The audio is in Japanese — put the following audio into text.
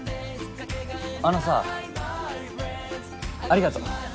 あのさありがとう。